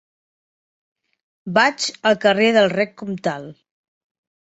Vaig al carrer del Rec Comtal.